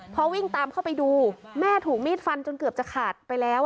พอวิ่งตามเข้าไปดูแม่ถูกมีดฟันจนเกือบจะขาดไปแล้ว